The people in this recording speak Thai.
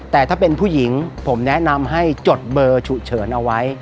แต่ถ้าเป็นผู้หญิงผมแนะนำให้จดเบอร์ฉุกเฉินเอาไว้